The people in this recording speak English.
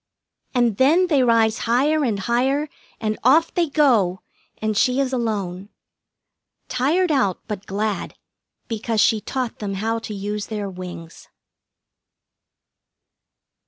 And then they rise higher and higher, and off they go, and she is alone. Tired out but glad, because she taught them how to use their wings.